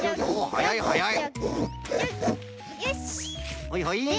はいはい。